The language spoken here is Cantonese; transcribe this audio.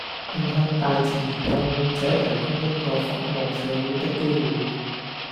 並向大自然愛好者提供一個服務社會的機會